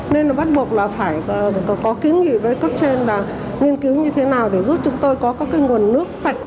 nên là bắt buộc là phải có kiến nghị với cấp trên là nghiên cứu như thế nào để giúp chúng tôi có các cái nguồn nước sạch